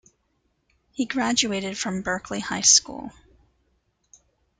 He graduated from Berkeley High School.